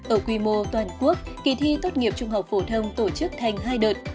ở quy mô toàn quốc kỳ thi tốt nghiệp trung học phổ thông tổ chức thành hai đợt